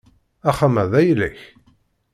Axxam-a d ayla-k?